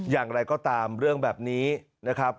อย่างไรก็ตามเรื่องแบบนี้นะครับ